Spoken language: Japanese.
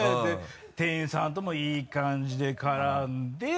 店員さんともいい感じで絡んで。